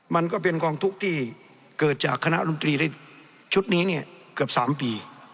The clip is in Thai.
มันก็เป็นกองทุกข์ที่เกิดจากคณะรมตรีในชุดนี้เนี่ยเกือบ๓ปี